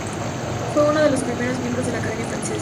Fue uno de los primeros miembros de la Academia francesa.